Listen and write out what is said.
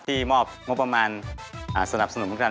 ที่มอบงบประมาณสนับสนุก